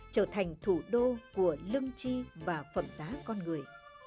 trở thành thủ đô của lưng chi và phẩm giá con người